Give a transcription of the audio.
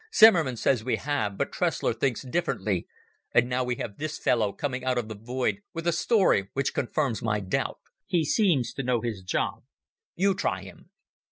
Zimmerman says we have, but Tressler thinks differently, and now we have this fellow coming out of the void with a story which confirms my doubt. He seems to know his job. You try him."